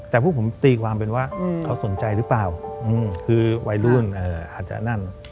แต่พวกผมตีความเป็นว่าเขาสนใจหรือเปล่าคือวัยรุ่นอาจจะนั่น